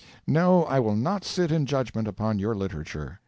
No, I will not sit in judgment upon your literature.